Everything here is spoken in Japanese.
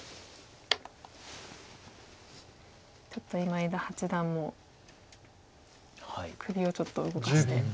ちょっと今伊田八段も首をちょっと動かして。